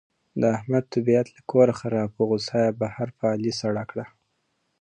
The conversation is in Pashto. د احمد طبیعت له کوره خراب و، غوسه یې بهر په علي سړه کړه.